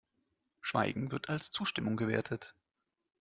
Schweigen wird als Zustimmung gewertet.